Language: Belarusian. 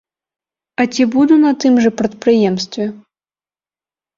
А ці буду на тым жа прадпрыемстве?